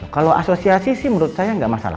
kalau asosiasi sih menurut saya nggak masalah